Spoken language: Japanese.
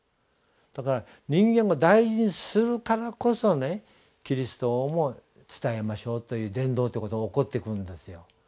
だから人間を大事にするからこそキリストをも伝えましょうという伝道ということが起こってくるんですよ。